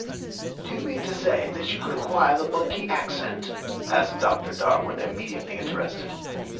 "Do you mean to say that you could acquire the monkey accent?" asked Doctor Darwin, immediately interested.